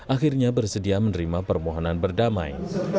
akhirnya bersedia menerima permohonan berdamai